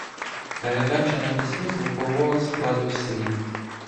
Передача на письмі звукового складу слів